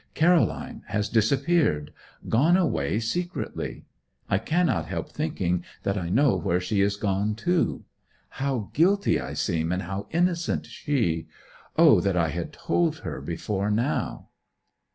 Caroline has disappeared gone away secretly. I cannot help thinking that I know where she is gone to. How guilty I seem, and how innocent she! O that I had told her before now!